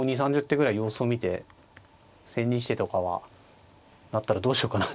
手ぐらい様子を見て千日手とかはなったらどうしようかなっていうか。